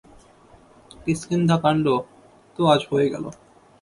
কিষ্কিন্ধ্যাকাণ্ড তো আজ হয়ে গেল।